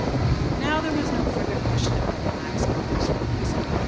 Now there was no further question of letting Lax go loose from prison!